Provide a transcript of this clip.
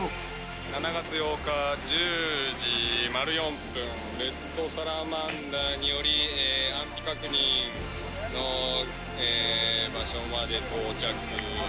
７月８日１０時０４分、レッドサラマンダーにより、安否確認の場所まで到着。